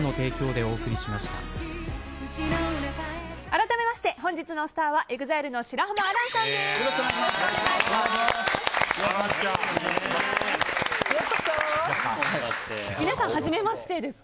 改めまして、本日のスターはＥＸＩＬＥの白濱亜嵐さんです。